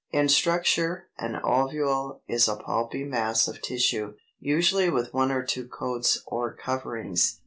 320. In structure an ovule is a pulpy mass of tissue, usually with one or two coats or coverings.